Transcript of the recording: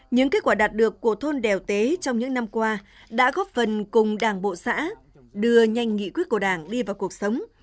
những kết quả đạt được của thôn đèo tế trong những năm qua đã góp phần cùng đảng bộ xã đưa nhanh nghị quyết của đảng đi vào cuộc sống